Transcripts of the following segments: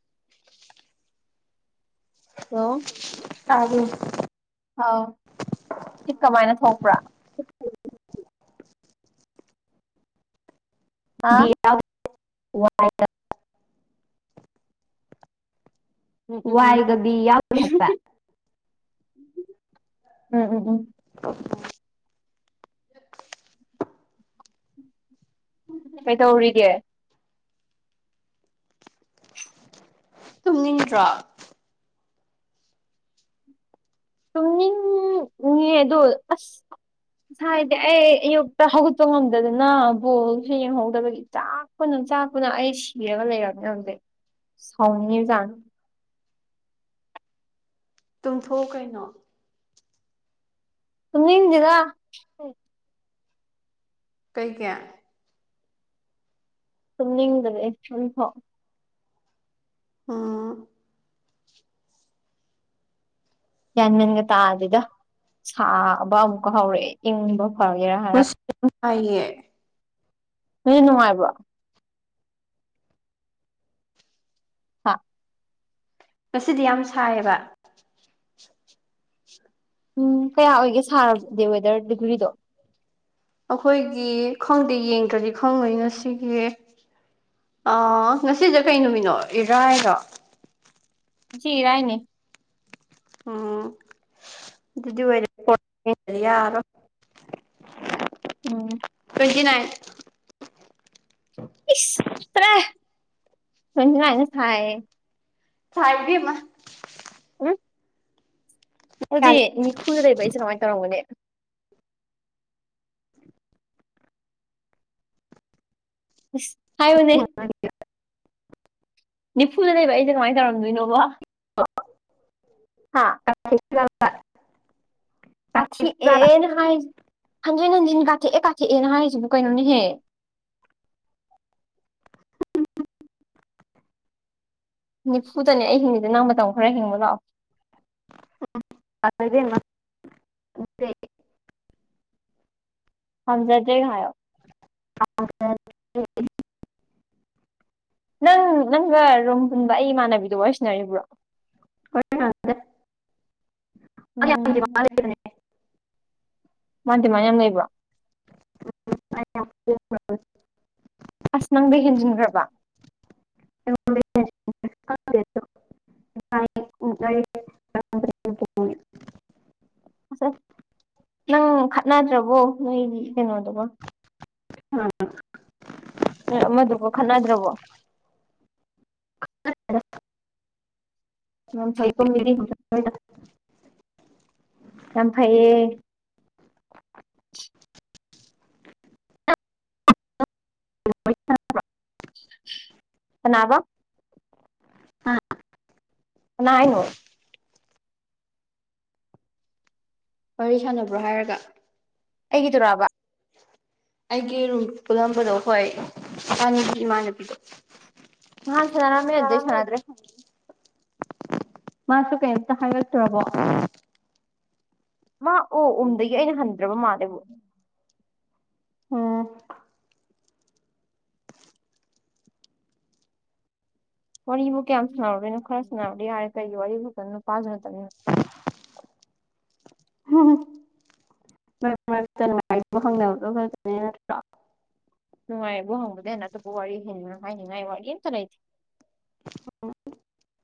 [inaudible] ꯍꯜꯂ ꯇꯥꯕ꯭ꯔꯥ ꯑꯥꯎ ꯁꯤ ꯀꯃꯥꯏꯅ ꯊꯣꯛꯄ꯭ꯔꯥ ꯍꯥ ꯌꯥ ꯋꯥ ꯎꯝ ꯎꯝ ꯎꯝ ꯋꯥꯏꯒꯗꯤ ꯌꯥꯎꯗꯦ ꯍꯥꯏꯕ ꯎꯝ ꯎꯝ ꯎꯝ [inaudible] ꯀꯩ ꯇꯧꯔꯤꯒꯦ ꯇꯨꯝꯅꯤꯡꯗ꯭ꯔꯣ ꯇꯅꯤꯡꯗꯤ ꯑ ꯉꯁꯥꯏ ꯍꯥꯏꯗꯤ ꯑꯩ ꯑꯌꯨꯛꯇ ꯍꯧꯒꯠꯄ ꯉꯝꯗꯗꯅ ꯕꯣꯜꯁꯨꯦ ꯌꯦꯡꯍꯧꯗꯕꯒꯤ ꯆꯥꯛꯄ ꯆꯥꯛꯄꯨꯅ ꯑꯩ ꯁꯤꯔꯒ ꯂꯩꯔꯕꯝꯃꯦ ꯍꯧꯖꯤꯛ ꯁꯥꯎꯅꯤꯡꯉꯤꯖꯥꯡ ꯇꯨꯡꯊꯣꯛꯎ ꯀꯩꯅꯣ ꯁ ꯏꯗꯔ ꯀꯩ ꯀꯦ ꯁꯨꯝ ꯅꯤꯡꯗ꯭ꯔꯦ ꯆꯐꯣ ꯑ ꯌꯥꯟꯃꯦꯟꯒ ꯇꯥꯗꯨꯗ ꯁꯥꯕ ꯑꯃꯨꯛꯀ ꯍꯧꯔꯛꯑꯦ ꯏꯪꯕ ꯍ ꯌꯥꯦ ꯍꯥꯏ ꯑꯌꯦ ꯁꯤ ꯅꯨꯡꯉꯥꯏꯕ꯭ꯔ ꯍꯥ ꯉꯁꯤꯗꯤ ꯌꯥꯝ ꯁꯥꯏꯌꯦꯕ ꯎꯝ ꯀꯌꯥ ꯑꯣꯏꯒꯦ ꯁꯥꯔꯕꯗꯤ ꯋꯦꯗꯔ ꯗꯤꯚ꯭ꯔꯤꯗꯣ ꯑꯩꯈꯣꯏꯒꯤ ꯈꯪꯗꯦ ꯌꯦꯡꯗ꯭ꯔꯗꯤ ꯈꯪꯉꯣꯏ ꯉꯁꯤꯒꯤ ꯑ ꯉꯁꯤꯁꯦ ꯀꯩ ꯅꯨꯃꯤꯠꯅꯣ ꯏꯔꯥꯏꯔꯣ ꯖꯤ ꯔꯥꯏꯅꯤ ꯎꯝꯗꯤ ꯑꯣꯏ ꯍꯥꯏꯔ ꯎꯝ ꯏꯠ ꯏꯇ꯭ꯔ ꯃꯥꯏꯅ ꯍꯥꯏ ꯊꯥꯏꯕꯤꯃ ꯑꯣ ꯑꯗꯨꯗꯤ ꯅꯤꯐꯨꯗ ꯂꯩꯕ ꯑꯩꯁꯦ ꯀꯃꯥꯏꯅ ꯇꯧꯔꯝꯒꯅꯦ ꯍꯥꯏꯅꯦ ꯅꯤꯐꯨꯗ ꯂꯩꯕ ꯑꯩꯁꯦ ꯀꯃꯥꯏꯅ ꯇꯧꯔꯝꯗꯣꯏꯅꯣꯕ ꯍꯥ [inaudible] ꯑꯊ ꯑꯦꯅ ꯍꯥꯏ ꯍꯟꯖꯤꯟ ꯍꯟꯖꯤꯟ ꯀꯥꯊꯦꯛꯑꯦ ꯀꯥꯊꯦꯛꯑꯦꯅ ꯍꯥꯏꯔꯤꯁꯤꯕꯨ ꯀꯩꯅꯣꯅꯦꯍꯦ [inaudible] ꯅꯤꯐꯨꯗꯅꯦ ꯑꯩ ꯍꯤꯡꯅꯤꯗ ꯅꯪ ꯃꯇꯝ ꯈꯔ ꯍꯦꯡꯕ ꯂꯥꯛꯑꯣ ꯎ ꯑꯗꯨ ꯍꯪꯖꯔꯗ ꯍꯥꯏꯑꯣ ꯑ ꯅꯪ ꯅꯪꯒ ꯔꯨꯝ ꯍꯨꯟꯕ ꯑꯩ ꯏꯃꯥꯟꯅꯕꯤꯗꯨꯣ ꯑꯣꯏꯁꯤꯟꯅꯔꯤꯕ꯭ꯔꯣ ꯗ ꯎꯝ ꯌꯥꯅꯦ ꯃꯥꯇꯤꯃ ꯌꯥꯝ ꯉꯩꯕ [inaudible] ꯅꯪꯗ ꯍꯦꯟꯖꯤꯟꯈ꯭ꯔꯕꯥ [unintelligible] [inaudible] ꯑꯁ ꯅꯪ ꯈꯠꯅꯗ꯭ꯔꯕꯣ ꯅꯣꯏꯒꯤ ꯀꯩꯅꯣꯗꯨꯒ ꯑ ꯎ ꯑꯃꯗꯨꯀꯣ ꯈꯠꯅꯗ꯭ꯔꯕꯣ ꯃ ꯐꯣꯏꯛꯇꯣ ꯃꯤꯗꯤ ꯌꯥꯝ ꯐꯩꯌꯦ ꯅꯥꯕ ꯅꯥꯏꯅꯣ ꯋꯥꯔꯤ ꯁꯥꯟꯅꯕ꯭ꯔꯣ ꯍꯥꯏꯔꯒ ꯑꯩꯒꯤꯗꯨꯨꯔꯥꯕ ꯑꯩꯒꯤ ꯔꯨꯝ ꯄꯨꯜꯂꯝꯕꯗꯣ ꯍꯣꯏ ꯏꯃꯅꯄꯤ ꯏꯃꯥꯟꯅꯕꯤꯗꯣ ꯅꯍꯥꯟ ꯑ ꯁꯥꯟꯅꯔꯝꯃꯦ ꯑꯗꯨꯗꯩ ꯀꯥꯡ ꯂ ꯑꯗꯨ ꯁꯥꯟꯅꯗ꯭ꯔꯦ ꯃꯥꯁꯨ ꯀꯩꯝꯇ ꯍꯥꯏꯒꯠꯇ꯭ꯔꯕꯣ ꯃꯥ ꯑꯣ ꯎꯝꯗꯒꯤ ꯑꯩꯅ ꯍꯟꯗ꯭ꯔꯕ ꯃꯥꯜꯂꯦꯕ ꯎꯝ ꯋꯥꯔꯤꯕꯨꯕꯨ ꯀꯌꯥꯝ ꯁꯥꯟꯅꯔꯒꯦꯅꯣ ꯈꯔ ꯁꯥꯟꯅꯔꯗꯤ ꯌꯥꯔꯦ ꯀꯔꯤꯔꯤꯕ ꯣ ꯄꯥꯁ ꯉ ꯇꯅꯤ ꯍꯝ ꯃꯔ ꯃꯔꯛꯇ ꯅꯨꯡꯉꯥꯏ ꯈꯪꯗꯕ ꯈ ꯅꯠꯇ꯭ꯔ ꯅꯨꯡꯉꯥꯏꯕꯕꯨ ꯍꯪꯕꯗ ꯍꯦꯟꯅ ꯑꯇꯣꯞꯄ ꯋꯥꯔꯤ ꯍꯥꯏꯅꯤꯡ ꯍꯥꯏꯅꯤꯡꯉꯥꯏ ꯋꯥꯔꯤ ꯑꯝꯇ ꯂꯩꯇꯦ ꯍ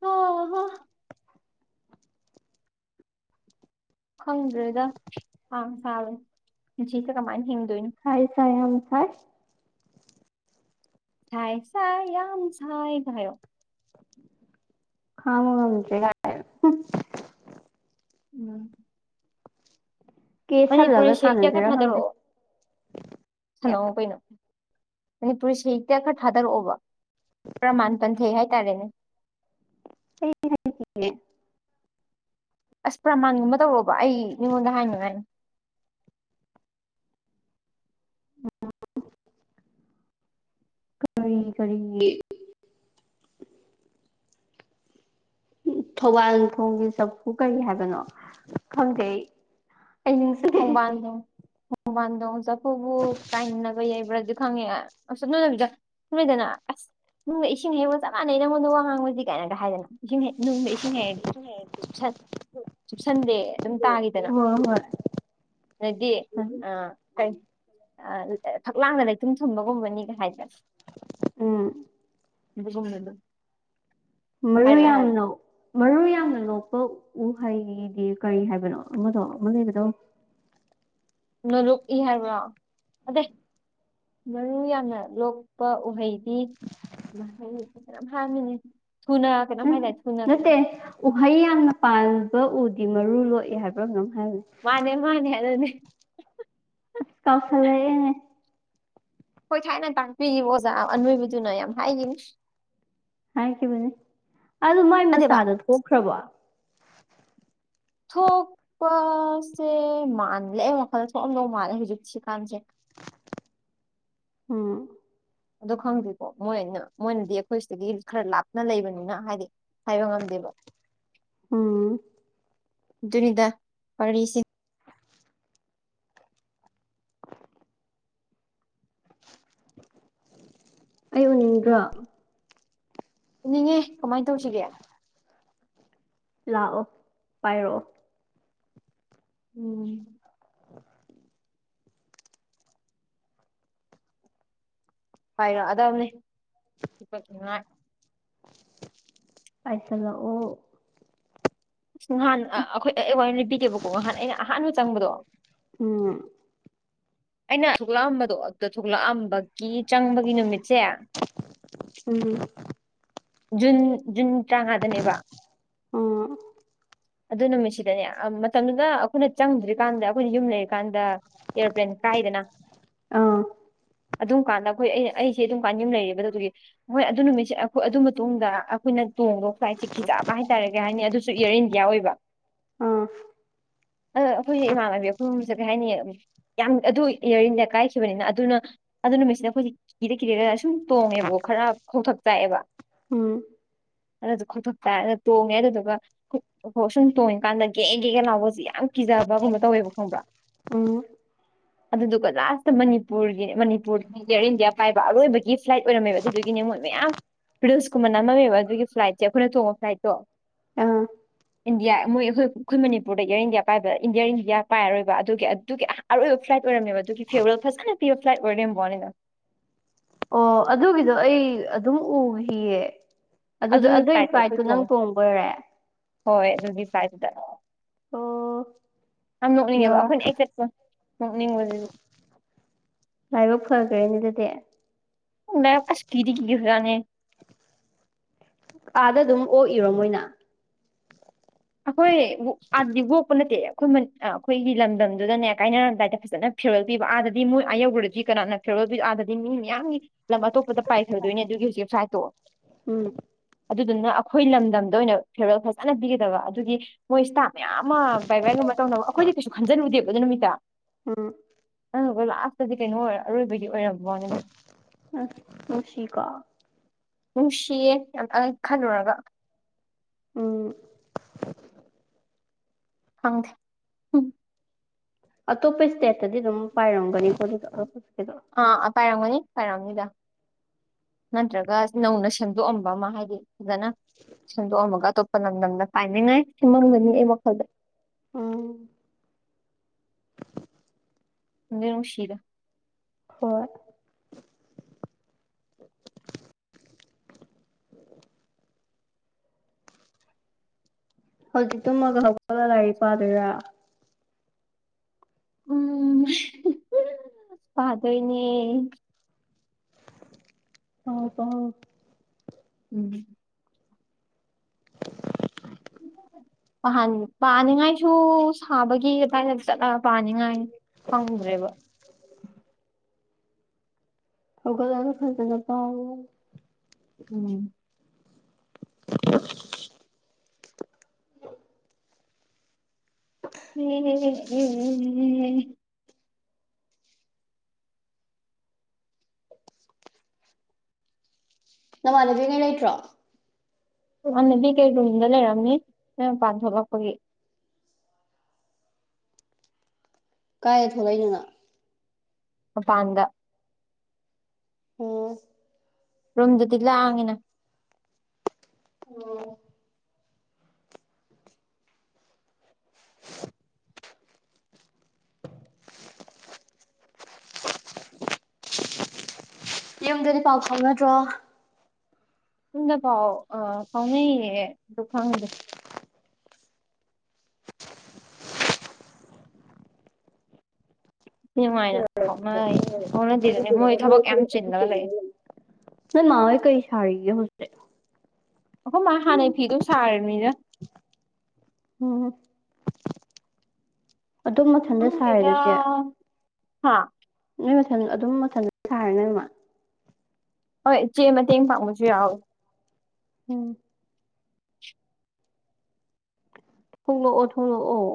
ꯍ ꯋꯥ ꯈꯪꯗ꯭ꯔꯦꯗ ꯍꯥꯡ ꯁꯥꯥꯡꯔꯦ ꯄꯨꯟꯆꯁꯦ ꯀꯃꯥꯏꯅ ꯍꯤꯡ ꯍꯥꯏꯥꯏ ꯁꯥꯏ ꯑꯝ ꯊꯥꯏ ꯁꯥꯏ ꯁꯥꯏ ꯌꯥꯝ ꯁꯥꯏ ꯊꯣ ꯍꯥ ꯃꯝꯦ ꯀ ꯎꯝ ꯀꯦꯁꯜꯂꯒ ꯃꯅꯤꯄꯨꯔꯤꯁꯦ ꯀꯌꯥ ꯀꯥ ꯁꯥꯟꯅꯖꯤꯔ ꯈꯪꯗꯦ ꯊꯥꯗꯔꯛꯑꯣ ꯁꯥꯟꯅꯑꯣ ꯀꯩꯅꯣ ꯃꯅꯤꯄꯨꯔꯤ ꯁꯍꯤꯛꯇ ꯈꯔ ꯊꯥꯗꯔꯛꯑꯣꯕ ꯄ꯭ꯔꯃꯥꯟ ꯄꯟꯊꯩ ꯍꯥꯏꯦ ꯇꯗꯅꯦ ꯁ ꯍꯥꯏ ꯆꯦ ꯑꯁ ꯄ꯭ꯔꯃꯥꯟꯒꯨꯝꯕ ꯇꯧꯔꯣꯕ ꯑꯩ ꯃꯤꯉꯣꯟꯗ ꯍꯥꯏꯅꯤꯡꯉꯥꯏꯅꯤ [inaudible] ꯀꯔꯤ ꯀꯔꯤ ꯎ ꯊꯧꯕꯥꯜ ꯊꯣꯡꯒꯤ ꯆꯐꯨ ꯀꯔꯤ ꯍꯥꯏꯕꯅꯣ ꯈꯪꯖꯩ ꯑꯩ ꯅꯤꯡꯁꯤꯅꯦ ꯃꯃꯥꯟꯗꯣꯡ ꯆꯐꯕꯨ ꯀꯥꯏꯅꯕ ꯌꯥꯏꯕ꯭ꯔꯥꯒ ꯈꯪꯉꯦꯁꯝꯅꯅꯕꯤꯗ ꯁꯗꯅ ꯑꯁ ꯅꯨꯡꯒ ꯏꯁꯤꯡ ꯍꯦꯛꯕ ꯆꯞ ꯃꯥꯟꯅꯩ ꯅꯉꯣꯟꯗ ꯋꯥ ꯉꯥꯡꯕꯗꯤ ꯀꯥꯏꯅꯒ ꯍꯥꯏꯗꯅ ꯏꯁꯤꯡ ꯍ ꯅꯨꯡꯁꯤꯡ ꯍ ꯆꯨꯞꯁꯟꯗꯦ ꯑꯗꯨꯝ ꯇꯥꯈꯤꯗꯅ ꯍꯣꯏ ꯍꯣꯏ ꯅꯗꯤ ꯑ ꯀꯩ ꯐꯛꯂꯥꯡꯅ ꯂꯩꯊꯨꯝ ꯊꯨꯝꯕꯒꯨꯝꯕꯅꯤꯒ ꯍꯥꯏꯗ ꯎꯝ ꯏ ꯀꯨꯝꯅꯗ ꯃꯨ ꯌꯥꯝꯅꯣ ꯃꯨ ꯌꯥꯝꯃꯅꯣ ꯄ ꯎ ꯍꯩꯗꯤ ꯀꯔꯤ ꯍꯥꯏꯕꯅꯣ ꯑꯃꯗꯣ ꯑꯃ ꯂꯩꯕꯗꯣ ꯅꯂꯣꯛꯏ ꯍꯥꯏꯕ꯭ꯔꯣ ꯑꯗꯩ ꯃꯔꯨ ꯌꯥꯝꯅ ꯂꯣꯛꯄ ꯎꯍꯩ ꯇ ꯐꯃꯤꯅꯤ ꯅꯠꯇꯦ ꯎꯍꯩ ꯌꯥꯝꯅ ꯄꯥꯟꯕ ꯎꯗꯤ ꯃꯔꯨ ꯂꯣꯛꯑ ꯍꯥꯏꯕ꯭ꯔꯣ ꯅꯪ ꯃꯥꯅꯦ ꯃꯥꯅꯦ ꯑꯗꯨꯅꯅꯦ ꯑꯁ ꯀꯥꯎꯁꯂꯦ ꯍꯣꯏ ꯊꯥꯏꯅ ꯇꯥꯛꯄꯤꯔꯤꯕ ꯑꯣꯖꯥ ꯑꯅꯣꯏꯕꯗꯨꯅ ꯌꯥꯝ ꯍꯥꯏꯈꯤ ꯍꯥꯏꯈꯤꯕꯅꯦ ꯑꯗꯨ ꯃꯥꯏ ꯑꯗꯦꯕ ꯃꯆꯥꯗ ꯊꯣꯛꯈ꯭ꯔꯕꯣ ꯊꯣꯛꯄꯁꯦ ꯃꯜꯂꯦ ꯑꯩ ꯋꯥꯈꯜꯗ ꯊꯣꯛꯑꯝ ꯂꯧ ꯃꯥꯜꯂꯦ ꯍꯧꯖꯤꯛ ꯁꯤ ꯀꯥꯟꯁꯦ [inaudible] ꯎꯝ ꯑꯗꯣ ꯈꯪꯗ꯭ꯔꯤꯀꯣ ꯃꯣꯏꯅ ꯃꯣꯏꯅꯗꯤ ꯑꯩꯈꯣꯏ ꯁꯤꯗꯒꯤ ꯈꯔ ꯂꯥꯞꯅ ꯂꯩꯕꯅꯤꯅ ꯍꯥꯏꯗꯤ ꯍꯥꯏꯕ ꯉꯝꯗꯦꯕ ꯎꯝ ꯖꯅꯤꯗ ꯋꯥꯔꯤꯁꯤ ꯑꯩ ꯎꯅꯤꯡꯗ꯭ꯔꯣ ꯄꯨꯅꯤꯡꯉꯦ ꯀꯃꯥꯏꯅ ꯇꯧꯁꯤꯒꯦ ꯂꯥꯛꯑꯣ ꯄꯥꯏꯔꯛꯑꯣ ꯎꯝ ꯍꯥꯏꯔꯛꯑꯗꯕꯅꯤ ꯄꯄꯠꯉꯥꯏ ꯄꯥꯏꯁꯂ ꯑꯣ ꯑꯁ ꯅꯍꯥꯟ ꯑꯩꯈꯣꯏ ꯑꯦ ꯋꯥꯔ ꯂꯤꯕꯤꯒꯦꯕꯀꯣ ꯉꯍꯥꯟ ꯑꯩꯅ ꯑꯍꯥꯟꯕ ꯆꯪꯕꯗꯣ ꯎꯝ ꯑꯩꯅ ꯊꯣꯛꯂꯛꯑꯝꯕꯗꯣ ꯑ ꯊꯣꯛꯂꯛꯑꯝꯕꯒꯤ ꯀꯤ ꯆꯪꯕꯒꯤ ꯅꯨꯃꯤꯠꯁꯦ ꯎꯝ ꯖꯨꯟ ꯖꯨꯟ ꯇꯔꯥꯃꯉꯥꯗꯅꯦꯕ ꯎꯝ ꯑꯗꯨ ꯅꯨꯃꯤꯠꯁꯤꯗꯅꯦ ꯃꯇꯝꯗꯨꯗ ꯑꯩꯈꯣꯏꯅ ꯆꯪꯗ꯭ꯔꯤꯀꯥꯟꯗ ꯑꯩꯈꯣꯏꯅ ꯌꯨꯝ ꯂꯩꯔꯤꯀꯥꯟꯗ ꯑꯦꯔꯣꯄ꯭ꯂꯦꯟ ꯀꯥꯏꯗꯅ ꯑꯥ ꯑꯥ ꯑꯗꯨꯝ ꯀꯥꯟꯅꯕ ꯑꯩꯈꯣꯏ ꯑꯩ ꯑꯩꯁꯦ ꯑꯗꯨꯝ ꯄꯥꯟ ꯌꯝ ꯂꯩꯔꯦꯕꯗꯣ ꯑꯗꯨꯒꯤ ꯍꯣꯏ ꯑꯗꯨ ꯅꯨꯃꯤꯠꯁꯦ ꯑꯩꯈꯣꯏ ꯑꯗꯨ ꯃꯇꯨꯡꯗ ꯑꯩꯈꯣꯏꯅ ꯇꯣꯡꯗꯣ ꯐ꯭ꯂꯥꯏꯠ ꯆꯦꯛꯀꯤ ꯆꯥꯕ ꯍꯥꯏꯇꯥꯔꯦ ꯀꯩ ꯍꯥꯏꯅꯤ ꯑꯗꯨꯁꯨ ꯑꯦꯌꯥꯔ ꯏꯟꯗꯤꯌꯥ ꯑꯣꯏꯕ ꯑ ꯑꯩꯈꯣꯏꯁꯦ ꯏꯃꯥꯟꯅꯕꯤ ꯑꯩꯈꯣꯏꯁꯦ ꯀꯩ ꯍꯥꯏꯅꯤꯌꯦ ꯌꯥꯝ ꯑꯗꯨ ꯏꯌꯥꯔ ꯏꯟꯗꯤꯌꯥ ꯀꯥꯏꯈꯤꯕꯅꯤꯅ ꯑꯗꯨꯅ ꯑꯗꯨ ꯅꯨꯃꯤꯠꯁꯤꯗ ꯑꯩꯈꯣꯏ ꯀꯤꯔꯦ ꯀꯤꯔꯦꯒ ꯁꯨꯝ ꯇꯣꯡꯉꯦꯕꯣ ꯈꯔ ꯀꯣꯡꯊꯛ ꯆꯥꯛꯑꯦꯕ ꯎꯝ ꯑꯗꯨꯗ ꯀꯣꯛꯊꯣꯛ ꯇꯔ ꯑꯗꯨ ꯇꯣꯡꯉꯦ ꯑꯗꯨꯗꯨꯒ ꯁꯨꯝ ꯇꯣꯡꯉꯤꯀꯥꯟꯗ ꯒꯦꯛ ꯒꯦꯛꯒ ꯂꯥꯎꯁ ꯌꯥꯝ ꯀꯀꯤꯖꯥꯕꯒꯨꯝꯕ ꯇꯧꯋꯦꯕ ꯈꯪꯕ꯭ꯔꯥ ꯎꯝ [inaudible] ꯑꯗꯨꯗꯨꯒ ꯂꯥꯁꯇ ꯃꯅꯤꯄꯨꯔꯒꯤ ꯃꯅꯤꯄꯨꯔ ꯏꯌꯥꯔ ꯏꯟꯗꯤꯌꯥ ꯄꯥꯏꯕ ꯑꯔꯣꯏꯕꯒꯤ ꯐ꯭ꯂꯥꯏꯠ ꯑꯣꯏꯔꯝꯃꯦꯕ ꯑꯗꯨꯗꯨꯒꯤꯅꯦ ꯃꯣꯏ ꯃꯌꯥꯝ ꯔꯤꯁꯀꯨꯝꯕꯟ ꯑꯃꯝꯃꯦꯕ ꯑꯗꯨꯒꯤ ꯐ꯭ꯂꯥꯏꯠꯁꯦ ꯑꯩꯈꯣꯏꯅ ꯇꯣꯡꯕ ꯐ꯭ꯂꯥꯏꯠꯇꯣ [inaudible] [inaudible] ꯏꯟꯗꯤꯌꯥ ꯃꯣꯏ ꯑꯩꯈꯣꯏ ꯑꯩꯈꯣꯏ ꯃꯅꯤꯄꯨꯔꯗ ꯏꯌꯥꯔ ꯏꯟꯗꯤꯌꯥ ꯄꯥꯏꯕꯗ ꯏꯟꯗꯤꯌꯥꯔ ꯏꯟꯗꯤꯌꯥ ꯄꯥꯏꯔꯣꯏꯕꯒꯤ ꯑꯗꯨꯒꯤ ꯑꯔꯣꯏꯕ ꯐ꯭ꯂꯥꯏꯠ ꯐ꯭ꯂꯥꯏꯠ ꯑꯣꯏꯔꯝꯃꯦꯕ ꯑꯗꯨꯒꯤ ꯐꯦꯕꯔꯦꯜ ꯐꯁ ꯈꯟꯅ ꯄꯤꯕ ꯐ꯭ꯂꯥꯏꯠ ꯑꯣꯏꯔꯝꯕꯣꯅꯤꯅ ꯑꯣ ꯑꯗꯨꯒꯤꯗꯣ ꯑꯩ ꯑꯗꯨꯝ ꯎꯈꯤꯌꯦ ꯑꯗꯨꯗ ꯑꯗꯨꯒꯤ ꯐ꯭ꯂꯥꯏꯠꯇꯣ ꯅꯪ ꯇꯣꯡꯕ ꯑꯣꯏꯔꯦ ꯍꯣꯏ [inaudible] ꯑꯣ ꯌꯥꯝ ꯅꯣꯛꯅꯤꯡꯉꯦꯕ ꯌꯣꯔ ꯑꯩꯈꯣꯏꯅ ꯑꯦꯛꯁꯦꯞ ꯅꯣꯛꯅꯤꯡꯕꯗꯨꯗꯤ ꯀꯅꯗꯗꯦ ꯃ ꯀꯁꯀꯤꯔꯤ ꯀꯒꯤ ꯐꯖꯥꯅꯤ ꯑꯥꯗ ꯑꯗꯨꯝ ꯑꯣꯛꯏꯔꯣ ꯃꯣꯏꯅ ꯑꯩꯈꯣꯏ ꯑꯗꯨꯗꯤꯕꯣꯛꯄ ꯅꯠꯇꯦꯕ ꯑꯩꯈꯣꯏ ꯑꯩꯈꯣꯏꯒꯤ ꯂꯝꯗꯝꯗꯨꯗꯅꯦ ꯀꯥꯏꯅꯔꯝꯗꯥꯏꯗ ꯐꯖꯅ ꯐꯦꯔꯋꯦꯜ ꯄꯤꯕ ꯑꯥꯗꯗꯤ ꯃꯣꯏ ꯑꯌꯧꯕꯨꯔꯗꯤ ꯀꯅꯥꯅ ꯐꯦꯔꯋꯜ ꯑꯥꯗꯗꯤ ꯃꯤ ꯃꯌꯥꯝꯒꯤ ꯂꯝ ꯑꯇꯣꯞꯄꯗ ꯄꯥꯏꯈ꯭ꯔꯗꯣꯏꯅꯦ ꯑꯗꯨꯒꯤ ꯍꯧꯖꯤꯛꯦꯞꯁꯥꯏꯠꯇꯣ ꯎꯝ ꯑꯗꯨꯗꯨꯅ ꯑꯩꯈꯣꯏ ꯂꯝꯗꯝꯗ ꯑꯣꯏꯅ ꯐꯦꯔꯜ ꯐꯖꯅ ꯄꯤꯒꯗꯕ ꯑꯗꯨꯒꯤ ꯃꯣꯏꯁꯤꯇꯥ ꯃꯌꯥꯝ ꯑꯃ ꯕꯥꯏ ꯕꯥꯏꯒꯨꯝꯕ ꯇꯧꯅꯕ ꯑꯩꯈꯣꯏꯗꯤ ꯀꯩꯁꯨ ꯈꯟꯖꯜꯂꯨꯗꯦꯕ ꯑꯗꯨꯣ ꯅꯨꯃꯤꯠꯇ ꯎꯝ ꯂꯥꯁꯇꯗꯤ ꯀꯩꯅꯣ ꯑꯣꯏꯔ ꯑꯔꯣꯏꯕꯒꯤ ꯑꯣꯏꯔꯝ ꯑ ꯁꯁ꯭ꯔꯤ ꯀꯥ ꯅꯨꯡꯁꯤꯌꯦ ꯌꯥꯝꯇ ꯈꯜꯂꯨꯔꯒ ꯎꯝ ꯍꯪꯗꯦ ꯎꯝ ꯑꯇꯣꯞꯄꯩ ꯏꯁꯇꯦꯠꯇꯗꯤ ꯑꯗꯨꯝ ꯄꯥꯏꯔꯝꯒꯅꯤꯣ ꯑꯥ ꯑ ꯄꯥꯏꯔꯝꯒꯅꯤ ꯄꯔꯝꯅꯤꯗ ꯅꯠꯇ꯭ꯔꯒ ꯅꯧꯅ ꯁꯦꯝꯗꯣꯛꯑꯝꯕ ꯑꯃ ꯍꯥꯏꯗꯤ ꯐꯖꯅ ꯁꯦꯝꯗꯣꯛꯑꯝꯃꯒ ꯑꯇꯣꯞꯄ ꯂꯝꯗꯝꯗ ꯄꯥꯏꯅꯤꯡꯉꯥꯏ ꯁꯦꯝꯃꯝꯒꯅꯤ ꯑꯩ ꯋꯥꯈꯜꯗ ꯑꯣ ꯅꯨꯡꯗꯤ ꯅꯨꯡꯁꯤꯗ ꯍꯣꯏ ꯍꯧꯖꯤꯛꯇꯛꯇꯃꯒ ꯍꯧꯒꯠꯒ ꯂꯥꯏꯔꯤ ꯄꯥꯗꯣꯏꯔꯥ ꯎꯝ ꯄꯥꯗꯣꯏꯅꯦ ꯄꯥꯎ ꯄꯥꯎ ꯎꯝ ꯥꯟ ꯄꯥꯅꯤꯉꯥꯏꯁꯨ ꯁꯥꯕꯒꯤ ꯑꯗꯨꯗꯥꯏꯗ ꯆꯠꯂ ꯄꯥꯅꯤꯡꯉꯥꯏ ꯍꯥꯎꯗ꯭ꯔꯦꯕ ꯍꯧꯒꯠꯂꯒ ꯈꯛꯇꯗ ꯄꯥꯎ ꯎꯝ [inaudible] [unintelligible] ꯅꯃꯥꯟꯅꯕꯤꯉꯩ ꯂꯩꯇ꯭ꯔꯣ ꯃꯃꯥꯅꯕꯤ ꯀꯩ ꯔꯨꯝꯗ ꯂꯩꯔꯝꯅꯤ ꯅꯪꯄꯥꯟ ꯊꯣꯛꯂꯛꯄꯒꯤ ꯀꯥꯏ ꯊꯣꯛꯂꯛꯏꯅ ꯃꯐꯥꯟꯗ ꯑꯣ ꯔꯝꯖꯗꯤ ꯂꯥꯡꯉꯤꯅ ꯑꯣ ꯌꯨꯝꯗꯗꯤ ꯄꯥꯎ ꯐꯥꯎꯅꯗ꯭ꯔꯣ ꯌꯨꯝꯗ ꯄꯥꯎ ꯑ ꯐꯥꯎꯅꯩꯌꯦ ꯑꯗꯨ ꯈꯪꯗꯦ ꯃꯤ ꯃꯥꯏꯅꯥ ꯌꯥꯝ ꯆꯤꯜꯂꯒ ꯂꯩ [unintelligible] ꯅꯣꯏ ꯃꯥ ꯍꯣꯌ ꯀꯔꯤ ꯁꯔꯤꯒꯦ ꯌꯥꯍꯨꯟ ꯇꯦ ꯑꯩꯈꯣꯏ ꯃꯥ ꯍꯥꯟꯅꯩ ꯐꯤꯗꯣ ꯁꯥꯔꯤꯃꯤꯗꯥ ꯎꯝ ꯑꯗꯨꯝ ꯃꯊꯟꯇ ꯁꯥꯔꯦ ꯈꯪꯇꯗꯥ ꯑꯗꯨꯗꯤ ꯍꯥ ꯅꯣꯏ ꯃꯊꯟ ꯑꯗꯨꯝ ꯃꯊꯟ ꯁꯥꯔ ꯅꯣꯏ ꯏꯃ ꯍꯣꯏ ꯆꯦ ꯃꯇꯦꯡ ꯄꯥꯡꯉꯨꯁꯨ ꯌꯥꯏ ꯑꯦ ꯎꯝ ꯄꯨꯡꯂꯣ ꯑꯣꯊꯣꯡꯂꯛꯑꯣ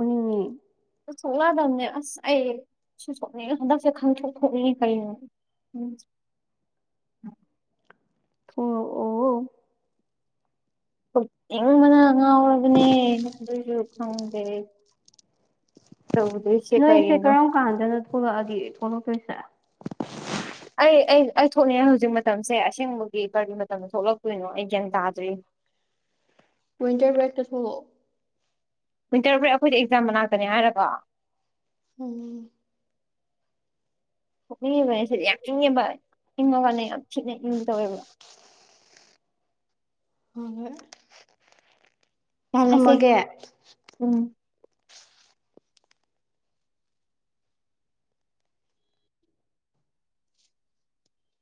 ꯎꯅꯤꯡꯉꯦ ꯑꯁ ꯁꯣꯛꯂꯗꯕꯅꯦ ꯑꯁ ꯑꯩ ꯁꯨ ꯁꯣꯛꯅꯤꯡ ꯍꯟꯗꯛꯁꯦ ꯈꯪꯊꯣꯛ ꯊꯣꯛꯏꯅꯦ ꯀꯩꯅꯣ ꯎꯝ ꯑꯣ ꯑꯣ ꯏꯤꯡꯕꯅ ꯉꯥꯎꯔꯕꯅꯦ ꯑꯗꯨꯁꯨ ꯈꯪꯗꯦ ꯇꯧꯗꯣꯏꯁꯦ ꯅꯣꯏꯁꯦ ꯀꯩꯅꯣ ꯀꯔꯝ ꯀꯥꯟꯗꯅꯣ ꯊꯣꯛꯂꯛꯑꯗꯤ ꯊꯣꯛꯂꯛꯇꯣꯏꯁꯦ ꯑꯩ ꯑꯩ ꯑꯩ ꯊꯣꯛꯂꯑꯦ ꯍꯧꯖꯤꯛ ꯃꯇꯝꯁꯦ ꯑꯁꯦꯡꯕꯒꯤ ꯄꯔꯕꯤ ꯃꯇꯝꯗ ꯊꯣꯛꯂꯛꯇꯣꯏꯅꯣ ꯑꯩ ꯒ꯭ꯌꯥꯟ ꯇꯥꯗ꯭ꯔꯤ [inaudible] ꯋꯤꯟꯇꯔ ꯕꯦꯛ ꯇꯥ ꯊꯣꯛꯂꯛ ꯑꯣ ꯋꯤꯟꯇꯔ ꯕ꯭ꯔꯦ ꯑꯩꯈꯣꯏꯗꯤ ꯑꯦꯛꯖꯥꯝ ꯃꯅꯥꯛꯇꯅꯦ ꯍꯥꯏꯔꯒꯥ ꯎꯝ ꯀꯣꯛꯅꯤꯡꯉꯤꯕꯅꯦ ꯁꯤꯗꯤ ꯌꯥꯝ ꯆꯤꯡꯉꯦꯕ ꯏꯤꯡꯉꯀꯥꯟꯗ ꯌꯥꯝ ꯊꯤꯅ ꯏꯡ ꯇꯧꯋꯦꯕ ꯍꯣꯏ ꯇꯜꯂꯁꯦ ꯊꯝꯃꯒꯦ ꯎꯝ